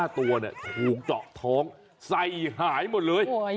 ๕ตัวถูกเจาะท้องใส่หายหมดเลย